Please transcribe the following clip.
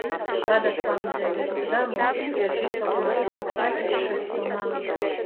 სხვადასხვა მიზეზის გამო რეჟისორმა დაუშვა ეს შეცდომა.